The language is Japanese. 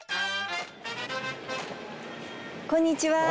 こんにちは。